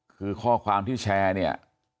คือข้อความที่แชร์เนี่ย